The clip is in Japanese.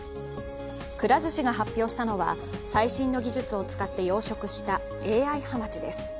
くら寿司が発表したのは最新の技術を使って養殖したＡＩはまちです。